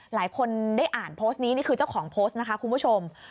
หลายคนได้อ่านโพสต์นี้นี่คือเจ้าของโพสต์นะคะคุณผู้ชม